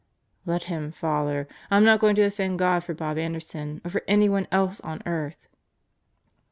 "Let him, Father. I'm not going to offend God for Bob Anderson or for anyone else on earth."